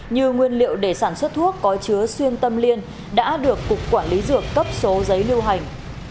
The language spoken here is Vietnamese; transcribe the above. như nguyên liệu để sản xuất thuốc có chứa xuyên tâm liên đã được cục quản lý dược cấp số giấy lưu hành